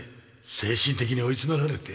精神的に追い詰められて。